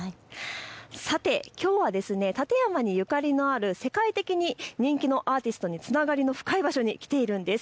さて、きょうは館山にゆかりのある世界的に人気のアーティストにつながりの深い場所に来ています。